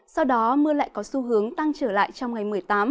sau đó mưa lại có xu hướng tăng trở lại trong ngày một mươi tám